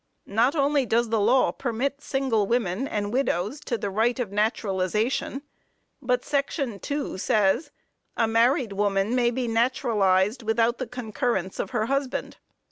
Not only does the law permit single women and widows to the right of naturalization, but Section 2 says: "A married woman may be naturalized without the concurrence of her husband."